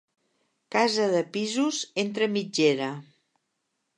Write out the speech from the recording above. Casa de pisos entre mitgera.